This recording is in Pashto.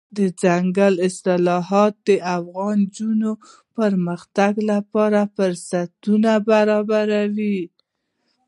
دځنګل حاصلات د افغان نجونو د پرمختګ لپاره فرصتونه برابروي.